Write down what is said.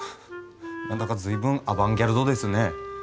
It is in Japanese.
何だか随分アバンギャルドですね。